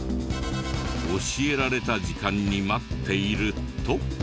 教えられた時間に待っていると。